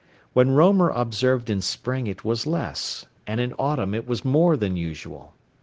When Roemer observed in spring it was less, and in autumn it was more than usual.